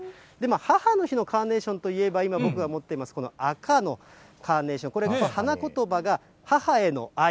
母の日のカーネーションといえば、今、僕が持っています、この赤のカーネーション、これ、花言葉が母への愛。